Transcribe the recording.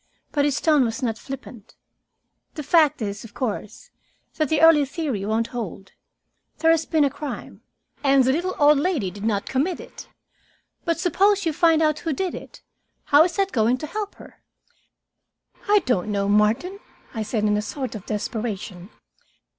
But his tone was not flippant. "The fact is, of course, that the early theory won't hold. There has been a crime, and the little old lady did not commit it. But suppose you find out who did it. How is that going to help her?" "I don't know, Martin," I said, in a sort of desperation.